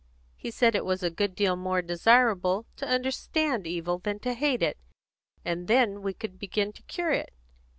He said it was a good deal more desirable to understand evil than to hate it, for then we could begin to cure it.